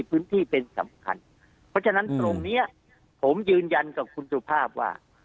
พื้นที่เป็นสำคัญเพราะฉะนั้นตรงเนี้ยผมยืนยันกับคุณสุภาพว่า